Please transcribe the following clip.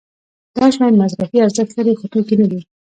دا شیان مصرفي ارزښت لري خو توکي نه دي.